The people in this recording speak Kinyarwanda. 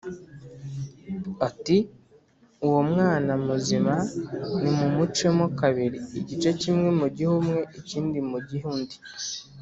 ati “Uwo mwana muzima nimumucemo kabiri igice kimwe mugihe umwe, ikindi mugihe undi”